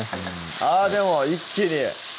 あでも一気に！